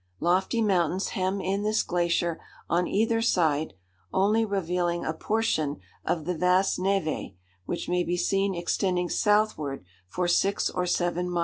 Lofty mountains hem in this glacier on either side, only revealing a portion of the vast névé which may be seen extending southward for six or seven miles.